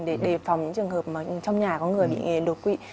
để đề phòng những trường hợp trong nhà có người bị đột quỵ